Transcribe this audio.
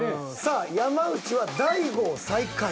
山内は大悟を最下位。